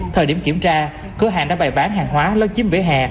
thời điểm kiểm tra cửa hàng đã bày bán hàng hóa lâu chiếm bể hè